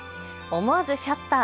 思わずシャッター。